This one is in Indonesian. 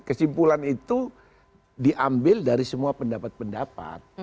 kesimpulan itu diambil dari semua pendapat pendapat